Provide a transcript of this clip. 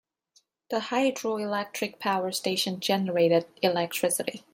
The hydroelectric power station generated electricity.